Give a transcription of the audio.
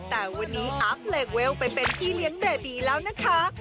แต่วันนี้อัพเลกเวลไปเป็นพี่เลี้ยงเบบีแล้วนะคะ